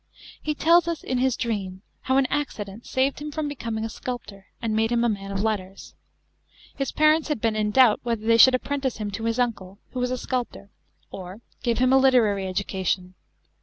He tells us in his Dream how an accident saved him from becoming a sculptor and made him a man of letters. His parents had been in doubt whether they should apprentice him to his uncle, who was a sculptor, or give him a literary education.